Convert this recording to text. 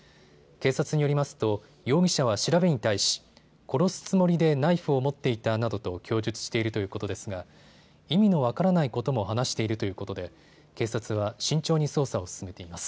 警察によりますと容疑者は調べに対し殺すつもりでナイフを持っていたなどと供述しているということですが意味の分からないことも話しているということで警察は慎重に捜査を進めています。